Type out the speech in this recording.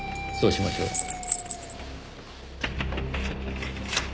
そうしましょう。